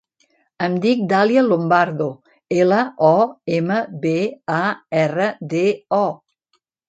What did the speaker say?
Em dic Dàlia Lombardo: ela, o, ema, be, a, erra, de, o.